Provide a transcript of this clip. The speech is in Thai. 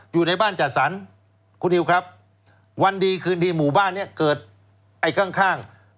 อยู่ในบ้านจัดสรรคุณนิวครับวันดีคืนดีหมู่บ้านเนี่ยเกิดไอ้ข้างข้าง